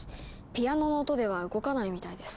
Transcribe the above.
ピアノの音では動かないみたいです。